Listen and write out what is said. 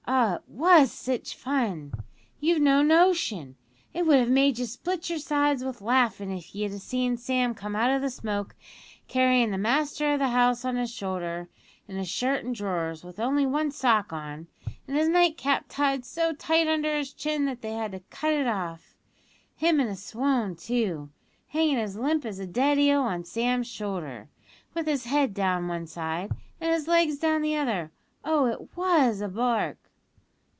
Ah, it was sitch fun! You've no notion! It would have made you split your sides wi' laughin' if you'd seen Sam come out o' the smoke carryin' the master o' the house on his shoulder in his shirt and drawers, with only one sock on, an' his nightcap tied so tight under his chin that they had to cut it off him in a swound, too, hangin' as limp as a dead eel on Sam's shoulder, with his head down one side, an' his legs down the other. Oh, it was a lark!"